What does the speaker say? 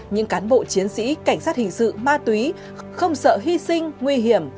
những cán bộ chiến sĩ cảnh sát hình sự ma túy không sợ hy sinh nguy hiểm